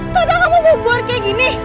tadah kamu membuat kayak gini